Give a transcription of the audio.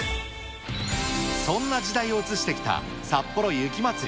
そんな時代を映してきたさっぽろ雪まつり。